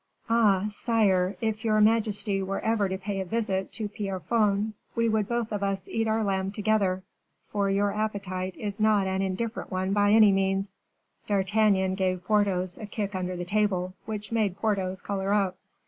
"Ah! sire, if your majesty were ever to pay a visit to Pierrefonds, we would both of us eat our lamb together; for your appetite is not an indifferent one by any means." D'Artagnan gave Porthos a kick under the table, which made Porthos color up.